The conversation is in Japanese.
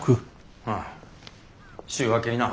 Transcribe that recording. うん週明けにな。